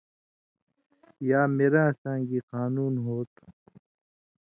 یا میراثاں گی قانون ہو تُھو